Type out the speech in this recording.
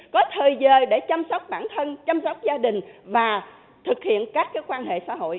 có thời giờ để chăm sóc bản thân chăm sóc gia đình và thực hiện các quan hệ xã hội